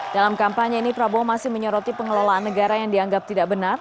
dalam kampanye ini prabowo masih menyoroti pengelolaan negara yang dianggap tidak benar